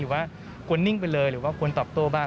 ว่าควรนิ่งไปเลยหรือว่าควรตอบโต้บ้าง